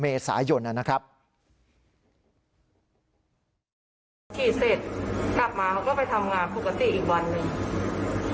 ภาพภาษาชีดเสร็จกลับมาก็ไปทำงานคุดกฎิอีกวันนึง